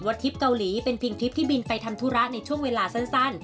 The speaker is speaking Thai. ทริปเกาหลีเป็นเพียงทริปที่บินไปทำธุระในช่วงเวลาสั้น